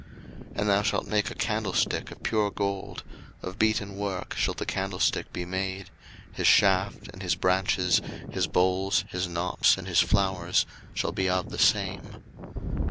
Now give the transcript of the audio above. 02:025:031 And thou shalt make a candlestick of pure gold: of beaten work shall the candlestick be made: his shaft, and his branches, his bowls, his knops, and his flowers, shall be of the same.